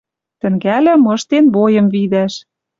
Тӹнгальӹ мыштен бойым видӓш.